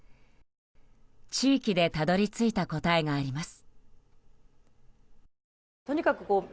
地域でたどり着いた答えがあります。